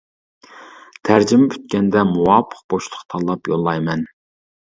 تەرجىمە پۈتكەندە، مۇۋاپىق بوشلۇق تاللاپ يوللايمەن!